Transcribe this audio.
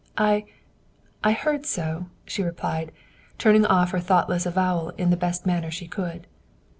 "I I heard so," she replied, turning off her thoughtless avowal in the best manner she could.